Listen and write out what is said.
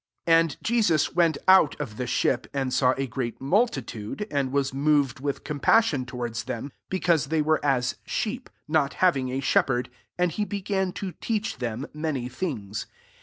34 And Jesus went out of the shifty and saw a great multitude, and was moved with compas sion towards them, because they were as sheep not having a shepherd; and he began to teach them many things.